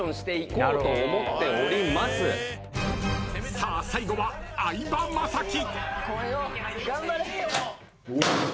［さあ最後は相葉雅紀］